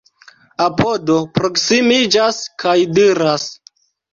Apodo proksimiĝas kaj diras: